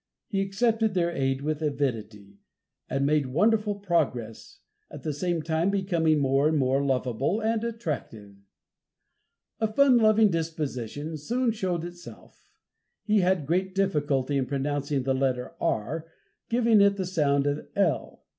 He accepted their aid with avidity, and made wonderful progress, at the same time becoming more and more lovable and attractive. A fun loving disposition soon showed itself. He had great difficulty in pronouncing the letter r, giving it the sound of l.